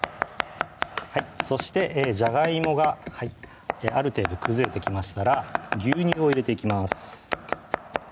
そしてじゃがいもがある程度崩れてきましたら牛乳を入れていきます